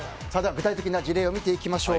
具体的な事例を見ていきましょう。